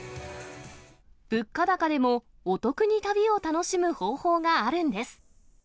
物価高でも、お得に旅を楽しむ方法があるんです。